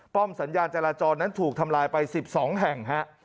สัญญาณจราจรนั้นถูกทำลายไป๑๒แห่งฮะ